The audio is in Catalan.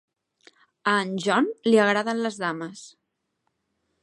A en John li agraden les dames.